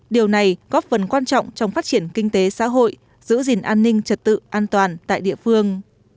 điều này góp phần quan trọng trong phát triển kinh tế xã hội giữ gìn an ninh trật tự an toàn tại địa phương